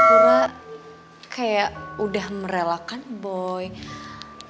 pura pura kayak udah merelakan bohong